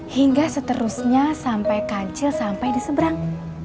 hingga seterusnya sampai kancil sampai diseberang